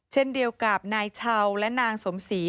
เช่นเดียวกับนายเช่าและนางสมศรี